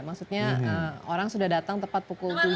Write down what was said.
maksudnya orang sudah datang tepat pukul tujuh